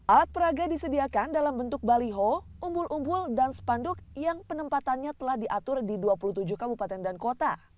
alat peraga disediakan dalam bentuk baliho umbul umbul dan spanduk yang penempatannya telah diatur di dua puluh tujuh kabupaten dan kota